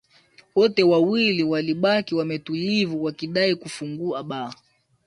wote wawili walibaki wametulivu wakidai kufungua baa